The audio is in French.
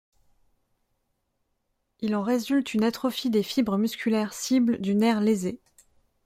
Il en résulte une atrophie des fibres musculaires cibles du nerf lésé.